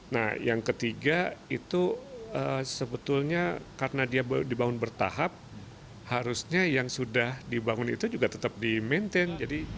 nah yang ketiga itu sebetulnya karena dia dibangun bertahap harusnya yang sudah dibangun itu juga tetap di maintain